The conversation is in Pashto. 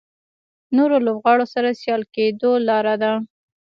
نورو لوبغاړو سره سیال کېدو لاره ده.